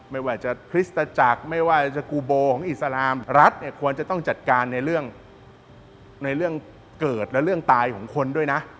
ไม่ว่าจะพิสตจักรไม่ว่าจะกุโบนินติรัฐนั้นต้องจัดการในเรื่องเกิดตายของคนด้วยนะ